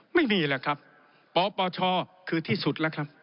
ไม่มีแล้วครับปปชหรือที่สุด